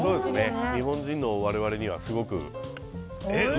日本人の我々には、すごく。